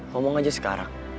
ngomong saja sekarang